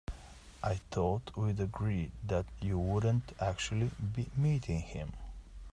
I thought we'd agreed that you wouldn't actually be meeting him?